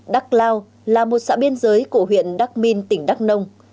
đắc lao là một xã biên giới của huyện đắc minh tỉnh đắk nông